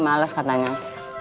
maka udah habis makan kan